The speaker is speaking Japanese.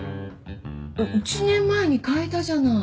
１年前に替えたじゃない。